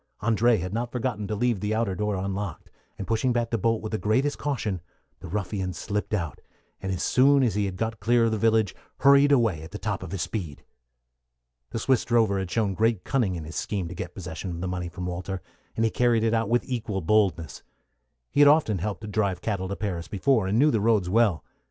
André had not forgotten to leave the outer door unlocked, and pushing back the bolt with the greatest caution, the ruffian slipped out, and as soon as he had got clear of the village hurried away at the top of his speed. The Swiss drover had shown great cunning in his scheme to get possession of the money from Walter, and he carried it out with equal boldness. He had often helped to drive cattle to Paris before, and knew the roads well.